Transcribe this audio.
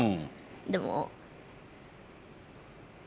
でも。